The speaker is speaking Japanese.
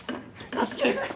助けてくれ！